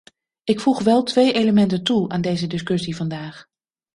Ik voeg wel twee elementen toe aan deze discussie vandaag.